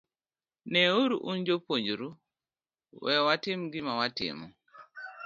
Neuru, un puonjru, wewa watim gima watimo.